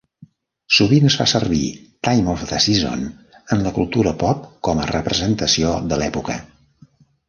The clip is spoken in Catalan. Sovint es fa servir "Time of the Season" en la cultura pop com a representació de l'època.